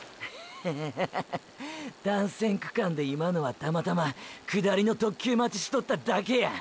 ッハハハハ単線区間で今のはたまたま下りの特急待ちしとっただけや。